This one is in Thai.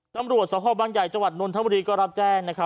ตำรวจพบางใหญ่จวัดนนทมก็รับแจ้ง